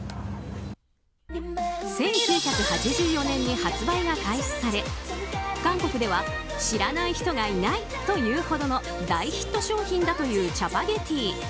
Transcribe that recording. １９８４年に発売が開始され韓国では知らない人がいないというほどの大ヒット商品だというチャパゲティ。